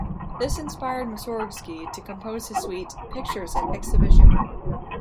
This inspired Mussorgsky to compose his suite "Pictures at an Exhibition".